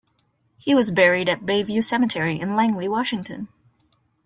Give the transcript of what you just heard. He was buried at Bayview Cemetery in Langley, Washington.